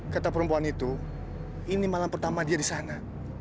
kata perempuan itu ini malam pertama dia di sana